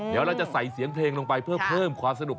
เดี๋ยวเราจะใส่เสียงเพลงลงไปเพื่อเพิ่มความสนุก